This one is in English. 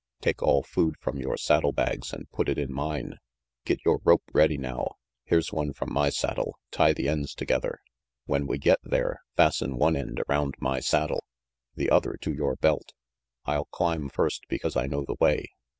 Take all food from your saddle bags and put it in mine. Get your rope ready now. Here's one from my saddle. Tie the ends together. When we get there, fasten one end around my saddle the 360 RANGY PETE other to your belt. I'll climb first because I know the way.